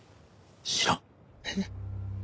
知らん。